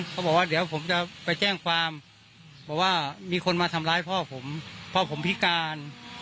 เขาบอกว่าเดี๋ยวผมจะไปแจ้งความบอกว่ามีคนมาทำร้ายพ่อผมพ่อผมพิการ